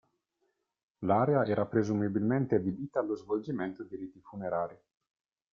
L'area era presumibilmente adibita allo svolgimento di riti funerari.